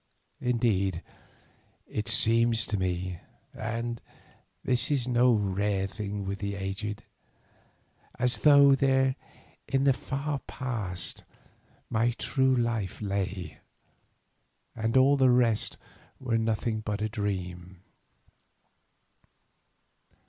Indeed, it seems to me, and this is no rare thing with the aged, as though there in the far past my true life lay, and all the rest were nothing but a dream.